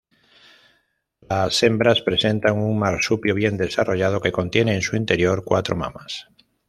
Las hembras presentan un marsupio bien desarrollado que contiene en su interior cuatro mamas.